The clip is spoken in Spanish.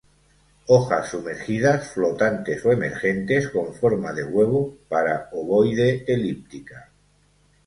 Hojas sumergidas, flotantes o emergentes, con forma de huevo para ovoide-elíptica.